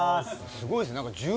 すごいですね。